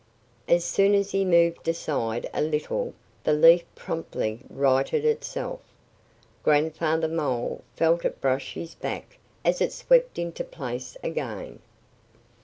As soon as he moved aside a little the leaf promptly righted itself. Grandfather Mole felt it brush his back as it swept into place again.